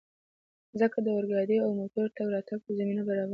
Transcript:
مځکه د اورګاډي او موټرو تګ راتګ ته زمینه برابروي.